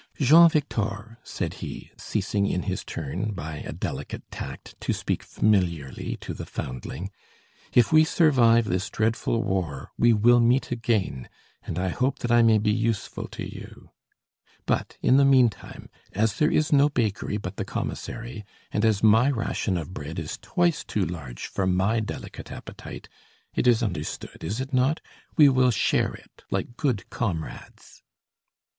"Jean Victor," said he, ceasing in his turn, by a delicate tact, to speak familiarly to the foundling, "if we survive this dreadful war, we will meet again, and I hope that I may be useful to you. But, in the meantime, as there is no bakery but the commissary, and as my ration of bread is twice too large for my delicate appetite, it is understood, is it not? we will share it like good comrades."